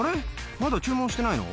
まだ注文してないの？